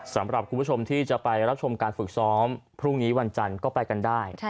สำหรับคุณผู้ชมที่จะไปรับชมการฝึกซ้อมพรุ่งนี้วันจันทร์ก็ไปกันได้